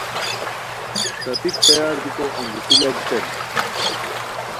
ݰاپیک تیار بیکو انگیتی لاکھیتانی